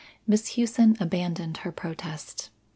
Miss Hughson abandoned her protest.